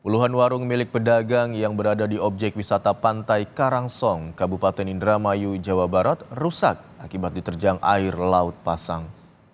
puluhan warung milik pedagang yang berada di objek wisata pantai karangsong kabupaten indramayu jawa barat rusak akibat diterjang air laut pasang